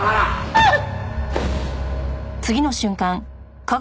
あっ！